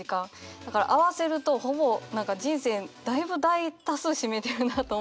だから合わせるとほぼ人生だいぶ大多数占めてるなと思って。